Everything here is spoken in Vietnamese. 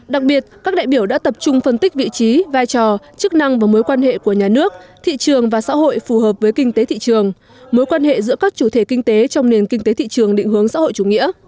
đặc biệt các đại biểu đã tập trung phân tích vị trí vai trò chức năng và mối quan hệ của nhà nước thị trường và xã hội phù hợp với kinh tế thị trường mối quan hệ giữa các chủ thể kinh tế trong nền kinh tế thị trường định hướng xã hội chủ nghĩa